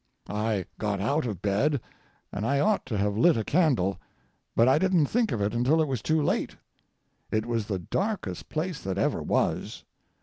I got out of bed, and I ought to have lit a candle, but I didn't think of it until it was too late. It was the darkest place that ever was.